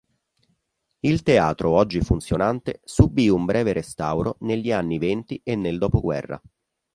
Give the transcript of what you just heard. Il teatro oggi funzionante, subì un breve restauro negli anni Venti e nel dopoguerra.